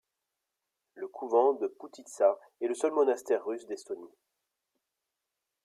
Le couvent de Pühtitsa est le seul monastère russe d'Estonie.